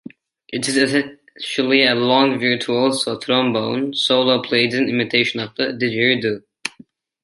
It is essentially a long, virtuoso trombone solo played in imitation of the didgeridoo.